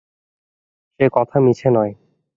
সে কথা মিছে নয়।